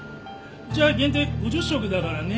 うちは限定５０食だからね。